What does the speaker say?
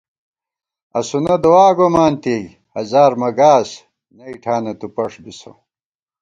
اسُونہ دُعاگومانتی، ہزار مَہ گاس، نئ ٹھانہ تُو پݭ بِسہ